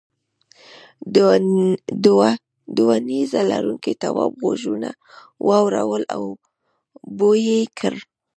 دوو نیزه لرونکو تواب غوږونه واړول او بوی یې کړ.